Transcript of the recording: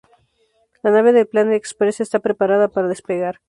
La nave de Planet Express está preparada para despegar.